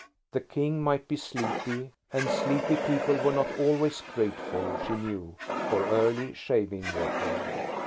The King might be sleepy, and sleepy people were not always grateful, she knew, for early shaving water.